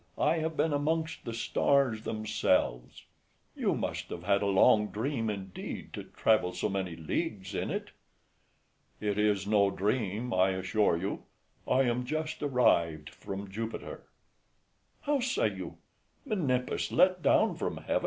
I have been amongst the stars themselves. FRIEND. You must have had a long dream, indeed, to travel so many leagues in it. MENIPPUS. It is no dream, I assure you; I am just arrived from Jupiter. FRIEND. How say you? Menippus let down from heaven?